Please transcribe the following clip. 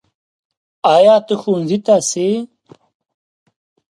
ایا ته ښؤونځي ته څې؟